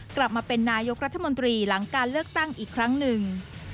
กลับมาเป็นนายกรัฐมนตรีหลังการเลือกตั้งอีกครั้งหนึ่ง